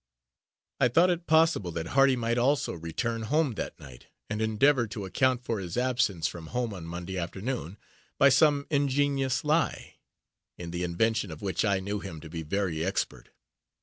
I thought it possible, that Hardy might also return home that night, and endeavor to account for his absence from home on Monday afternoon, by some ingenious lie; in the invention of which I knew him to be very expert.